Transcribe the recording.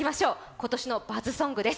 今年のバズソングです。